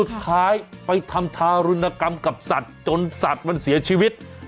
สุดท้ายไปทำทารุณกรรมกับสัตว์จนสัตว์มันเสียชีวิต